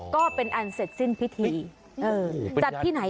ก็เป็นอันเสร็จสิ้นพิธี